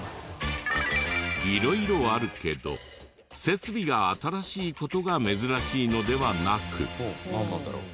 色々あるけど設備が新しい事が珍しいのではなく。